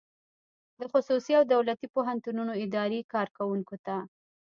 د خصوصي او دولتي پوهنتونونو اداري کارکوونکو ته